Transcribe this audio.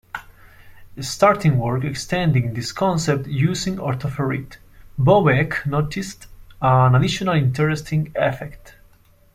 Starting work extending this concept using orthoferrite, Bobeck noticed an additional interesting effect.